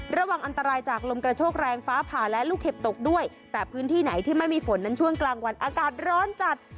ระวังอันตรายจากลมกระโชกแรงฟ้าผ่าและลูกเห็บตกด้วยแต่พื้นที่ไหนที่ไม่มีฝนนั้นช่วงกลางวันอากาศร้อนจัด